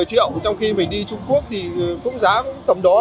trong khi mình đi trung quốc thì cũng giá tầm đó